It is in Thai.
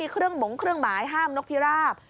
เครื่องหมงเครื่องหมายห้ามนกพิราบ